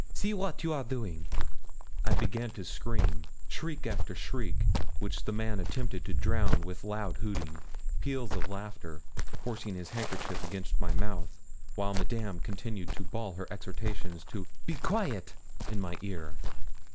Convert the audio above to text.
see wat you are doing,' I began to scream, shriek after shriek, which the man attempted to drown with loud hooting, peals of laughter, forcing his handkerchief against my mouth, while Madame continued to bawl her exhortations to 'be quaite' in my ear.